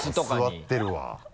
座ってるわ。